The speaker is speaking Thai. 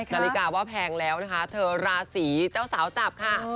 นาฬิกาว่าแพงแล้วนะคะเธอราศีเจ้าสาวจับค่ะ